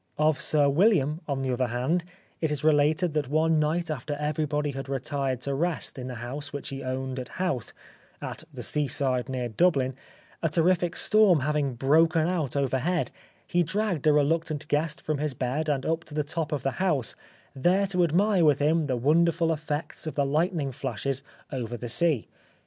Of Sir William, on the other hand, it is related that one night after everybody had retired to rest in the house which he owned at Howth, at the seaside near Dublin, a terrific storm having broken out overhead, he dragged a reluctant guest from his bed and up to the top of the house, there to admire with him the wonderful effects of the lightning flashes over the sea.